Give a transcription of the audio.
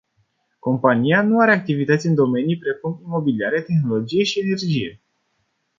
Compania mai are activități în domenii precum imobiliare, tehnologie și energie.